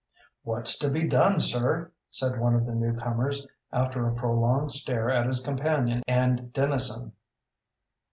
"What's to be done, sir?" said one of the new comers, after a prolonged stare at his companion and Dennison.